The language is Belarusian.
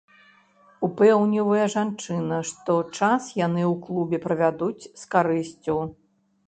Упэўнівае жанчына, што час яны ў клубе правядуць з карысцю.